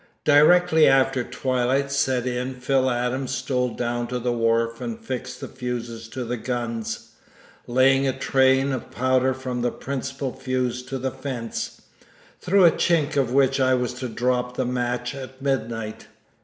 Directly after twilight set in Phil Adams stole down to the wharf and fixed the fuses to the guns, laying a train of powder from the principal fuse to the fence, through a chink of which I was to drop the match at midnight.